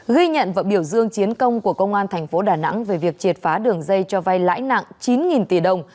ghi nhận và biểu dương chiến công của công an tp đà nẵng về việc triệt phá đường dây cho vai lãi nặng chín tỷ đồng